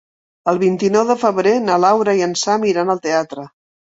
El vint-i-nou de febrer na Laura i en Sam iran al teatre.